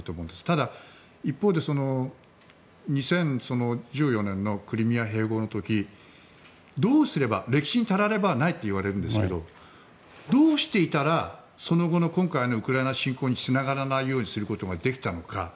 ただ、一方で２０１４年のクリミア併合の時歴史にたらればないと言われるんですけどどうしていたら今回のウクライナ侵攻につながらないようにすることができたのか。